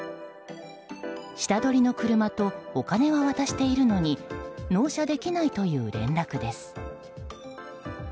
下取りの車とお金は渡しているのに納車できないという連絡です。